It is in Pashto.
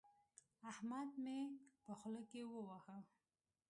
احمد مې په خوله کې وواهه.